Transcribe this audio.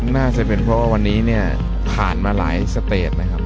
น่าจะเป็นเพราะว่าวันนี้เนี่ยผ่านมาหลายสเตจนะครับ